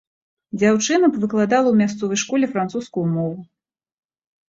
Дзяўчына б выкладала ў мясцовай школе французскую мову.